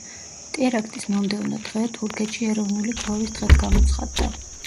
ტერაქტის მომდევნო დღე, თურქეთში ეროვნული გლოვის დღედ გამოცხადდა.